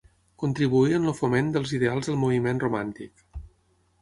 Contribuí en el foment dels ideals del moviment romàntic.